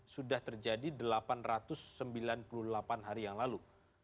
sudah terjadi delapan ratus sembilan puluh delapan hari yang lalu